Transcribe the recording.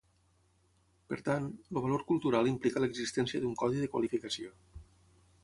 Per tant, el valor cultural implica l'existència d'un codi de qualificació.